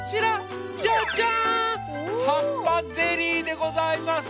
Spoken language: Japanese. はっぱゼリーでございます！